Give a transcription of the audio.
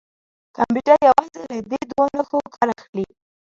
کمپیوټر یوازې له دې دوو نښو کار اخلي.